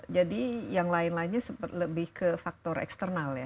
jadi yang lain lainnya lebih ke faktor eksternal ya